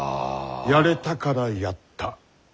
やれたからやった。